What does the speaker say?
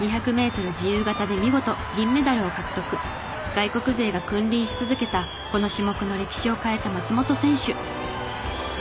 外国勢が君臨し続けたこの種目の歴史を変えた松元選手。